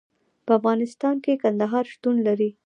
په افغانستان کې کندهار شتون لري.